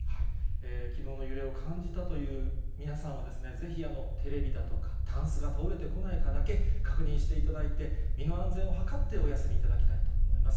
きのうの揺れを感じたという皆さんは、ぜひテレビだとか、タンスが倒れてこないかだけ確認していただいて、身の安全を図ってお休みいただきたいと思います。